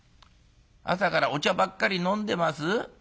朝からお茶ばっかり飲んでます？